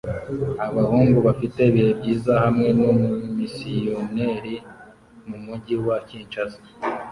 Abahungu bafite ibihe byiza hamwe numumisiyoneri mumujyi wa Kinshasa